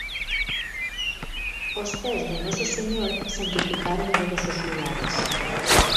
Os pes do Noso Señor santificaron todos os lugares.